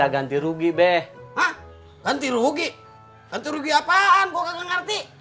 ganti rugi apaan gue gak ngerti